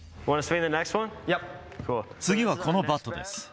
次はこのバットです。